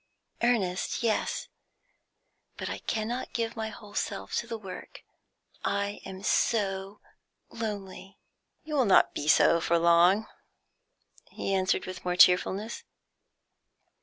"Earnest? Yes. But I cannot give my whole self to the work. I am so lonely." "You will not be so for long," he answered with more cheerfulness.